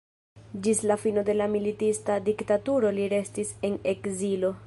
Ĝis la fino de la militista diktaturo li restis en ekzilo.